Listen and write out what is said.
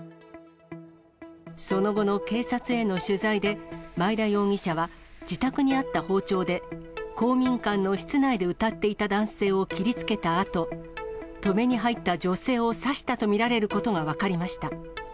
その後の警察への取材で、前田容疑者は、自宅にあった包丁で、公民館の室内で歌っていた男性を切りつけたあと、止めに入った女性を刺したと見られることが分かりました。